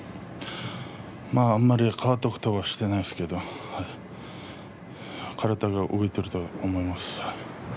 あんまり変わったことはしていないですけど体が動いていると思います。